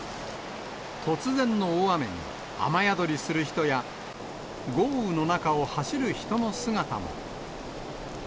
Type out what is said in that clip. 突然の大雨に、雨宿りする人や、豪雨の中を走る人の姿も。